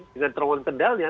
dengan terowong kendalnya